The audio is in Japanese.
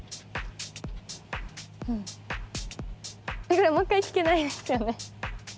これもう一回聞けないですよね？